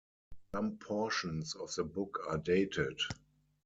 Some portions of the book are dated.